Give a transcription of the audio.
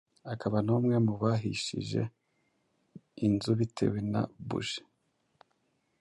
akaba n’ umwe mu bahishije inzu bitewe na buji